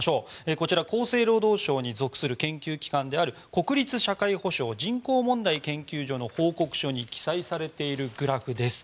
こちら厚生労働省に属する研究機関である国立社会保障・人口問題研究所の報告書に記載されているグラフです。